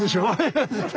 ハハハハ。